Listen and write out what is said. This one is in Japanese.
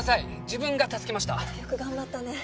自分が助けましたよく頑張ったね